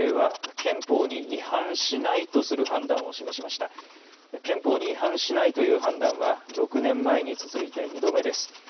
憲法に違反しないという判断は６年前に続いて２度目です。